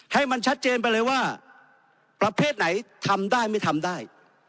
ให้มันชัดเจนไปเลยว่าประเภทไหนทำได้ไม่ทำได้